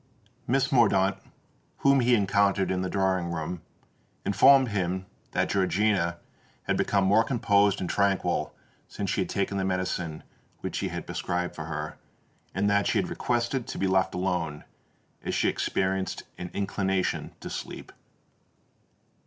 Miss Mordaunt, whom he encountered in the drawing room, informed him that Georgiana had become more composed and tranquil since she had taken the medicine which he had prescribed for her, and that she had requested to be left alone, as she experienced an inclination to sleep.